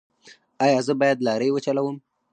ایا زه باید لارۍ وچلوم؟